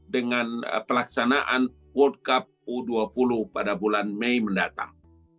dengan pelaksanaan world cup u dua puluh pada bulan mei mendatang